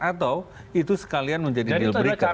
atau itu sekalian menjadi deal breaker